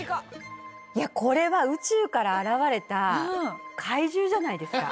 いやこれは宇宙から現れた怪獣じゃないですか？